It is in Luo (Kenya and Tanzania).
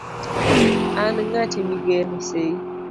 an ng'ati migeno sei